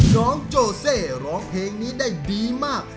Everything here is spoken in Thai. น้องโจเซร้องเพลงนี้ได้ดีมาก